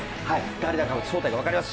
誰だか正体が分かります。